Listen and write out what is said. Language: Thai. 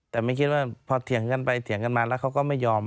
แต่ไม่คิดว่าพอเถียงกันไปเถียงกันมาแล้วเขาก็ไม่ยอม